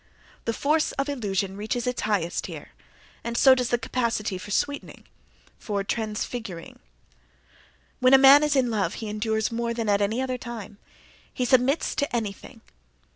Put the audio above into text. The force of illusion reaches its highest here, and so does the capacity for sweetening, for transfiguring. When a man is in love he endures more than at any other time; he submits to anything.